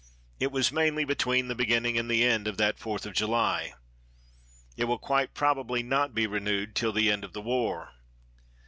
It was mainly between the beginning and the end of that Fourth of July. It will quite probably not be renewed till the end of the war.